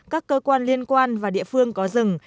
các cơ quan liên quan và địa phương có rừng